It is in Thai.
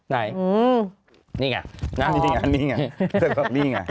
ไหนนี่ไงนะฮะนี่ไงนี่ไงนี่ไง